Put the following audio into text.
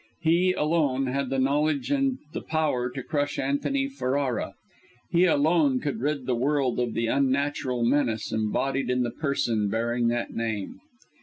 He, alone, had the knowledge and the power to crush Antony Ferrara. He, alone, could rid the world of the unnatural menace embodied in the person bearing that name.